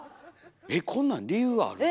えっこんなん理由ある？